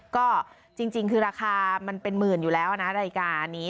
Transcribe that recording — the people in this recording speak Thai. ก็จริงคือราคามันเป็นหมื่นอยู่แล้วนะรายการนี้